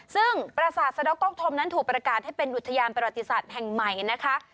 ซึ่งประสาทสะดอกก๊อกธมนั้นถูกประกาศให้เป็นอุทยานประวัติศาสตร์แห่งใหม่นะคะ